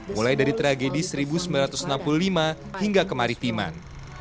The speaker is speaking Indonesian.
mulai dari tragedi seribu sembilan ratus enam puluh lima hingga kemaritiman